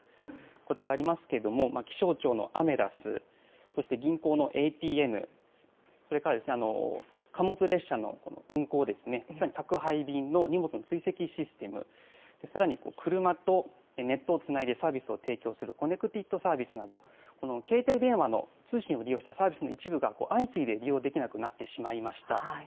こちらありますけれども、気象庁のアメダス、そして銀行のＡＴＭ、それから貨物列車の運行、さらに宅配便の荷物の追跡システム、さらに車とネットをつないでサービスを提供するコネクテッドサービスなど、携帯電話の通信を利用したサービスの一部が、相次いで利用できなくなってしまいました。